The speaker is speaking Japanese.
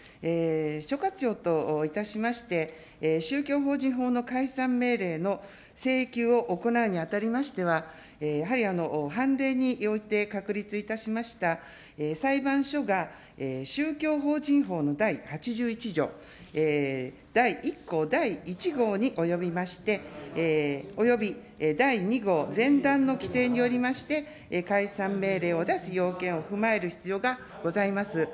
所轄庁といたしまして、宗教法人法の解散命令の請求を行うにあたりましては、やはり判例において確立いたしました裁判所が、宗教法人法の第８１条第１項第１号におよびまして、および第２号前段の規定におきまして、解散命令を出す要件を踏まえる必要がございます。